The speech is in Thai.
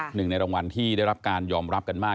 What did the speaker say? หนึ่งในรางวัลที่ได้รับการยอมรับกันมาก